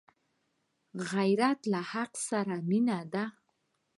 غیرت له حق سره مینه ده